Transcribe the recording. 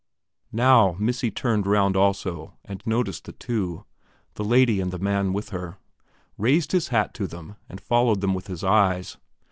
Now "Missy" turned round also and noticed the two the lady and the man with her, raised his hat to them, and followed them with his eyes.